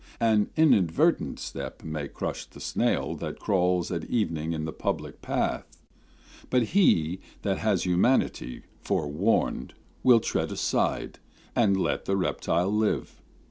An inadvertent step may crush the snail That crawls at evening in the public path; But he that has humanity, forewarned, Will tread aside, and let the reptile live.